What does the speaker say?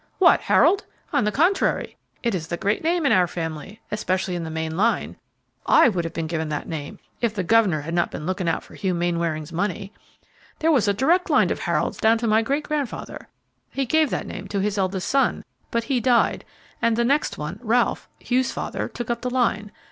"What, Harold? On the contrary, it is the great name in our family, especially in the main line. I would have been given that name if the governor had not been looking out for Hugh Mainwaring's money. There was a direct line of Harolds down to my great grandfather. He gave the name to his eldest son, but he died, and the next one, Ralph, Hugh's father, took up the line.